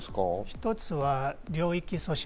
一つは領域阻止。